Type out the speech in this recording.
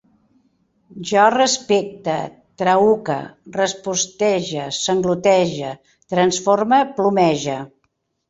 Jo respecte, traüque, respostege, sanglotege, transforme, plomege